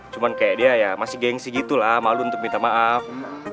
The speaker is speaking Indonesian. cuman kayak dia ya masih gengsi gitu lah malu untuk minta bantuan gitu kan